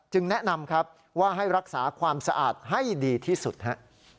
แนะนำครับว่าให้รักษาความสะอาดให้ดีที่สุดฮะ